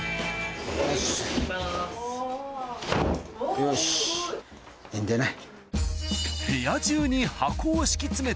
よしいいんでない？